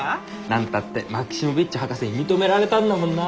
何たってマキシモヴィッチ博士に認められたんだもんな。